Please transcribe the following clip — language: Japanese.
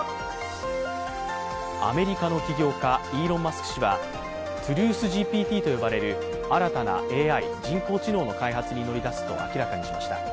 アメリカの起業家、イーロン・マスク氏はＴｒｕｔｈＧＰＴと呼ばれる新たなＡＩ＝人工知能の開発に乗り出すと明らかにしました。